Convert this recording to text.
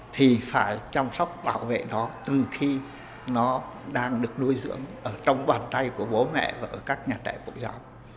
thì phải chăm sóc bảo vệ đó từ khi nó đang được nuôi dưỡng trong bàn tay của bố mẹ và các nhà trẻ bộ giáo